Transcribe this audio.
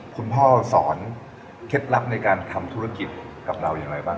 คุณพ่อสอนเคล็ดลับในการทำธุรกิจกับเราอย่างไรบ้าง